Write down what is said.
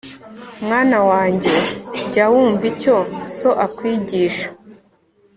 Mwana wanjye jya wumva icyo so akwigisha